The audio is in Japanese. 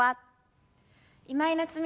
今井菜津美です。